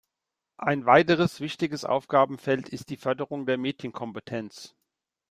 Ein weiteres wichtiges Aufgabenfeld ist die Förderung der Medienkompetenz.